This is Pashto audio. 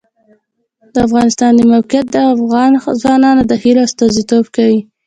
د افغانستان د موقعیت د افغان ځوانانو د هیلو استازیتوب کوي.